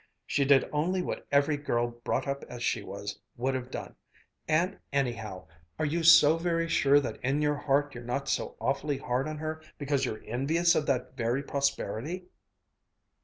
She did only what every girl brought up as she was, would have done. And, anyhow, are you so very sure that in your heart you're not so awfully hard on her because you're envious of that very prosperity?"